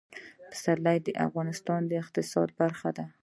پسرلی د افغانستان د اقتصاد برخه ده.